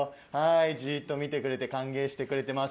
じっと見てくれて歓迎してくれてます。